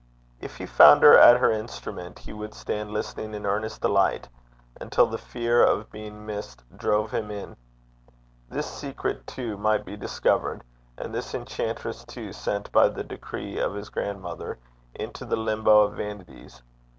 If he found her at her instrument he would stand listening in earnest delight, until the fear of being missed drove him in: this secret too might be discovered, and this enchantress too sent, by the decree of his grandmother, into the limbo of vanities.